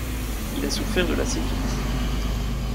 Il a souffert de la syphilis.